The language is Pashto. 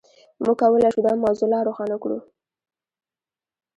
موږ کولای شو دا موضوع لا روښانه کړو.